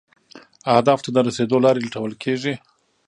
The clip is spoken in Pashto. اهدافو ته د رسیدو لارې لټول کیږي.